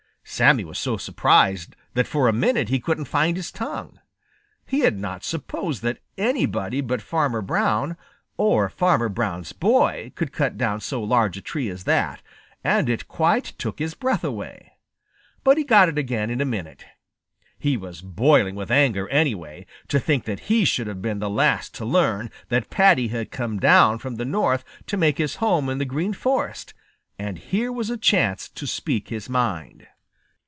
Sammy was so surprised that for a minute he couldn't find his tongue. He had not supposed that anybody but Farmer Brown or Farmer Brown's boy could cut down so large a tree as that, and it quite took his breath away. But he got it again in a minute. He was boiling with anger, anyway, to think that he should have been the last to learn that Paddy had come down from the North to make his home in the Green Forest, and here was a chance to speak his mind.